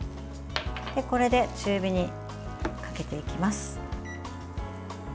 これで中火にかけていきます。